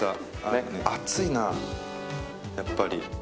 厚いな、やっぱり。